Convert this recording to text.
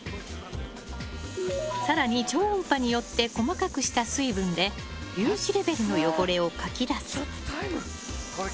更に超音波によって細かくした水分で粒子レベルの汚れをかき出す。